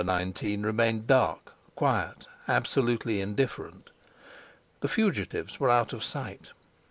19 remained dark, quiet, absolutely indifferent. The fugitives were out of sight.